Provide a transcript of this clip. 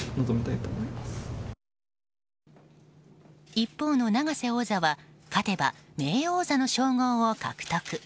一方の永瀬王座は勝てば名誉王座の称号を獲得。